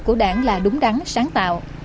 của đảng là đúng đắn sáng tạo